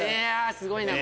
すごいな！